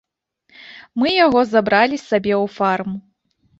Мы яго забралі сабе ў фарм.